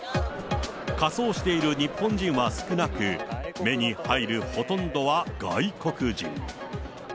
仮装している日本人は少なく、目に入るほとんどは外国人。